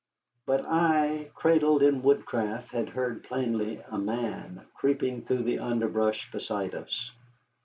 But I, cradled in woodcraft, had heard plainly a man creeping through the underbrush beside us.